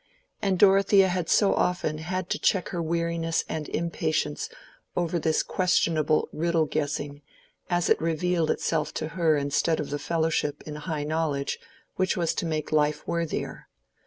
And Dorothea had so often had to check her weariness and impatience over this questionable riddle guessing, as it revealed itself to her instead of the fellowship in high knowledge which was to make life worthier!